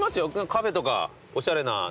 カフェとかおしゃれな。